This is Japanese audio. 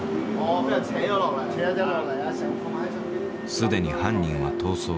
既に犯人は逃走。